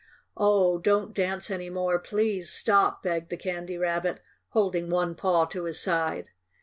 "Oh, don't dance any more! Please stop!" begged the Candy Rabbit, holding one paw to his side.